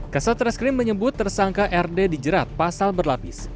keseatreskrim menyebut tersangka rd dijerat pasal berlapis